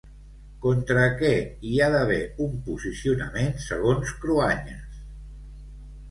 Contra què hi ha d'haver un posicionament segons Cruanyes?